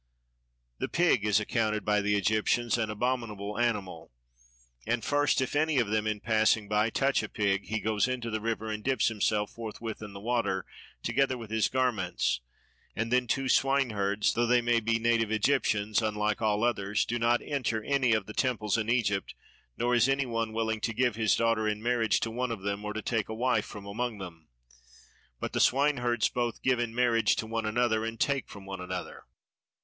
The pig is accounted by the Egyptians an abominable animal; and first, if any of them in passing by touch a pig, he goes into the river and dips himself forthwith in the water together with his garments; and then too swineherds, though they may be native Egyptians, unlike all others, do not enter any of the temples in Egypt, nor is anyone willing to give his daughter in marriage to one of them or to take a wife from among them; but the swineherds both give in marriage to one another and take from one another.